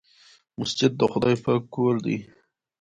مسجد د خدای پاک کور دی.